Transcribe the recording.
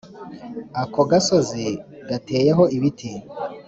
Ako gasozi gateyeho ibiti